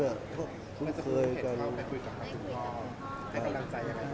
ใครกำลังใจอย่างนั้นบ้าง